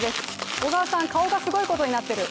小川さん、顔がすごいことになってる。